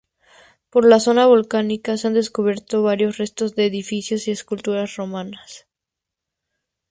Por la zona volcánica, se han descubierto varios restos de edificios y esculturas romanas.